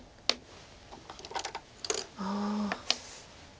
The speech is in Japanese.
ああ。